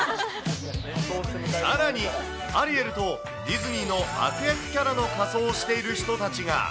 さらに、アリエルとディズニーの悪役キャラの仮装をしている人たちが。